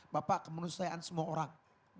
bapak kemanusiaan semua orang